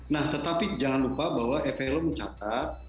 nah tetapi jangan lupa bahwa evelom catat